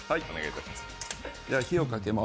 火をかけます。